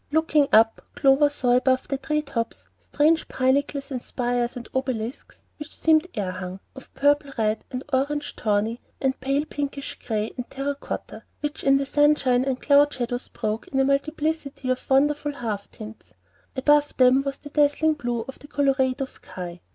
Looking up, Clover saw above the tree tops strange pinnacles and spires and obelisks which seemed air hung, of purple red and orange tawny and pale pinkish gray and terra cotta, in which the sunshine and the cloud shadows broke in a multiplicity of wonderful half tints. Above them was the dazzling blue of the Colorado sky.